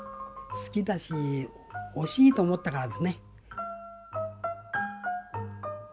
好きだし惜しいと思ったからですね。